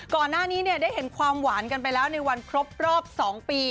ก่อนหน้านี้ได้เห็นความหวานกันไปแล้วในวันครบรอบ๒ปี